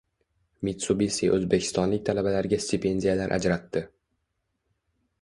“Mitsubisi” o‘zbekistonlik talabalarga stipendiyalar ajratdi